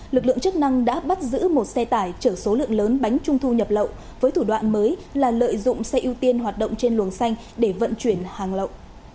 lực lượng chức năng đã bắt giữ một xe tải chở số lượng lớn bánh trung thu nhập lậu với thủ đoạn mới là lợi dụng xe ưu tiên hoạt động trên luồng xanh để vận chuyển hàng lậu